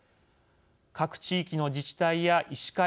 各地域の自治体や医師会